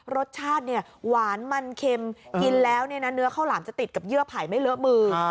รสชาติเนี่ยหวานมันเค็มกินแล้วเนื้อข้าวหลามจะติดกับเยื่อไผ่ไม่เลอะมือ